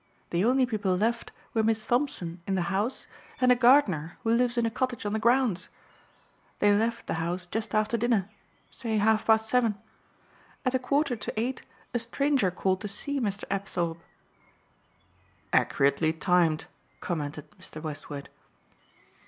The only people left were Miss Thompson in the house and a gardener who lives in a cottage on the grounds. They left the house just after dinner say half past seven. At a quarter to eight a stranger called to see Mr. Apthorpe." "Accurately timed," commented Mr. Westward.